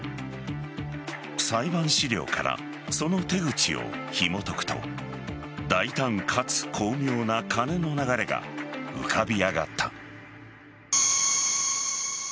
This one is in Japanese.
裁判資料からその手口をひもとくと大胆かつ巧妙な金の流れが浮かび上がった。